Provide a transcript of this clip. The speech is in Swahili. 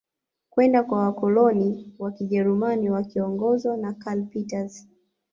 Kwenda kwa wakoloni wa kijerumani wakiongozwa na karl peters